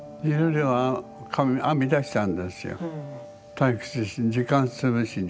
退屈時間潰しに。